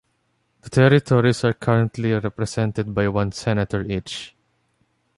The territories are currently represented by one senator each.